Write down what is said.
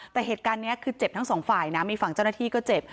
แต่เหตุการณ์นี้คือเจ็บทั้งสองฝ่ายนะมีฝั่งเจ้าหน้าที่ก็เจ็บ